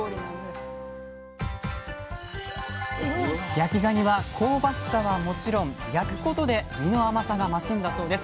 焼きがには香ばしさはもちろん焼くことで身の甘さが増すんだそうです。